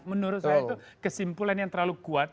menurut saya itu kesimpulan yang terlalu kuat